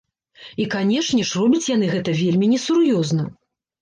І, канешне ж, робяць яны гэта вельмі несур'ёзна!